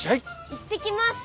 行ってきます！